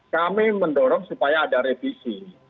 kami mendorong supaya ada revisi